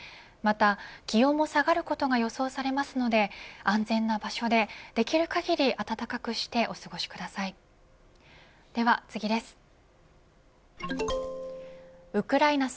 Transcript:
また、気温も下がることが予想されますので安全な場所でできる限り暖かくしてお過ごしください。